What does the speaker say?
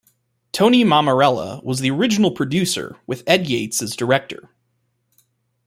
Tony Mammarella was the original producer with Ed Yates as director.